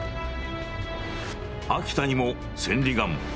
「秋田にも千里眼」。